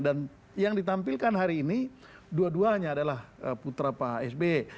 dan yang ditampilkan hari ini dua duanya adalah putra pak sby